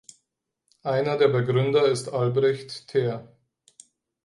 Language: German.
Einer der Begründer ist Albrecht Thaer.